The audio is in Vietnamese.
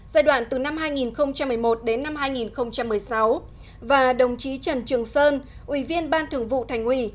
giai đoạn từ năm hai nghìn một mươi một đến năm hai nghìn một mươi sáu và đồng chí trần trường sơn ủy viên ban thường vụ thành ủy